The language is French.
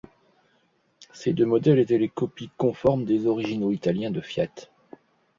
Ces deux modèles étaient les copies conformes des originaux italiens de Fiat.